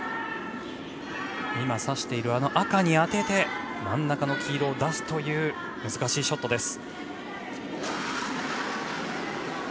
今、指している赤に当てて真ん中の黄色を出すという難しいショットです。